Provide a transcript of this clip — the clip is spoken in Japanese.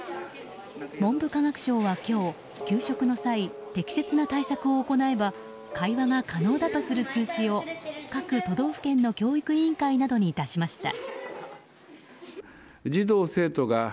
文部科学省は今日、給食の際適切な対策を行えば会話が可能だとする通知を各都道府県の教育委員会などに出しました。